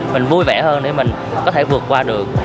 mình vui vẻ hơn để mình có thể vượt qua được